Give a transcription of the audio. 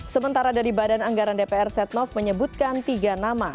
sementara dari badan anggaran dpr setnov menyebutkan tiga nama